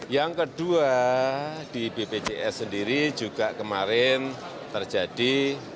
yang kedua di bpjs sendiri juga kemarin terjadi